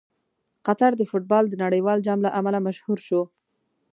قطر د فټبال د نړیوال جام له امله مشهور شو.